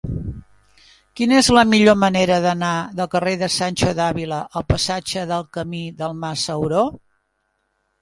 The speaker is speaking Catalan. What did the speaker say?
Quina és la millor manera d'anar del carrer de Sancho de Ávila al passatge del Camí del Mas Sauró?